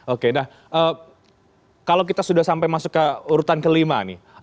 oke nah kalau kita sudah sampai masuk ke urutan kelima nih